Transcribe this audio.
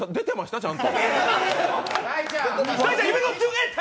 ちゃんと。